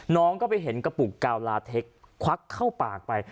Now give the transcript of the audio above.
น้องก็ไปเห็นกระปุกกาวลาเทคควักเข้าปากไป